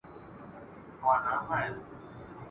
رپېدلی پر خیبر وي ړندې سترګي د اغیار کې ..